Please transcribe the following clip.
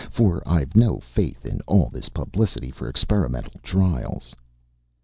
For I've no faith in all this publicity for experimental trials."